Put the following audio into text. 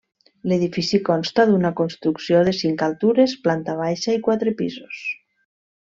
L'edifici consta d'una construcció de cinc altures, planta baixa i quatre pisos.